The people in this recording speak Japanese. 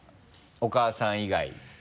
お母さん以外。